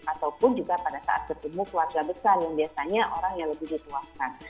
ataupun juga pada saat bertemu keluarga besar yang biasanya orang yang lebih dituakan